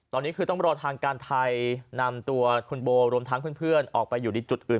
ตอนนี้คือต้องรอทางการไทยนำตัวคุณโบรวมทั้งเพื่อนออกไปอยู่ในจุดอื่น